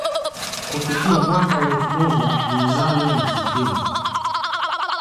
Kufikia mwaka wa elfu moja mia nane na sitini